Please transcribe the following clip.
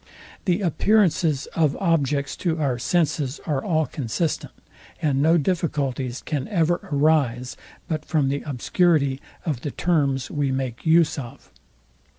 The appearances of objects to our senses are all consistent; and no difficulties can ever arise, but from the obscurity of the terms we make use of.